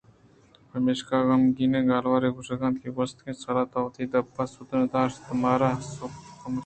پمیشا غمیگیں گالوارے ءَ گوٛشت ئِے گوٛستگیں سال ءَ تو وتی دپ ءِ سُدّ نہ داشتءُ منارا سُبکّ ءُ کم شرپّ کت